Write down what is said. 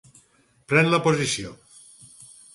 Pren la posició.